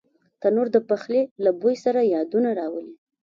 تنور د پخلي له بوی سره یادونه راولي